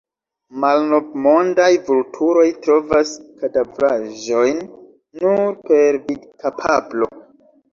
Malnovmondaj vulturoj trovas kadavraĵojn nur per vidkapablo.